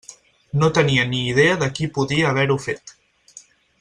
No tenia ni idea de qui podia haver-ho fet.